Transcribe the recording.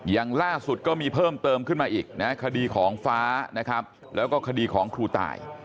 อย่างล่าสุดก็มีเพิ่มเติมขึ้นมาอีกนะคดีของฟ้านะครับแล้วก็คดีของครูตาย